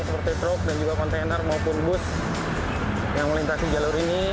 seperti truk dan juga kontainer maupun bus yang melintasi jalur ini